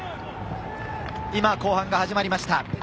今、後半が始まりました。